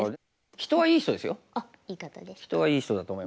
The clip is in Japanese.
人はいい人だと思います。